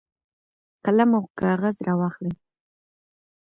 قلم او کاغذ راواخلئ.